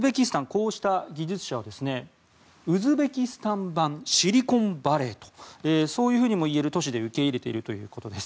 こうした技術者をウズベキスタン版シリコンバレーそういうふうにもいえる都市で受け入れているということです。